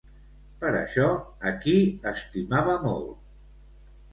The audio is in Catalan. Per això, a qui estimava molt?